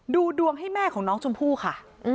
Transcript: ดูดวงให้แม่ของน้องชมพู่ค่ะ